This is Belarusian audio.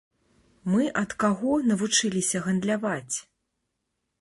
Мы ад каго навучыліся гандляваць?